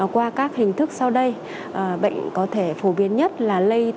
qua các hình thức sau đây bệnh có thể phổ biến nhất là lây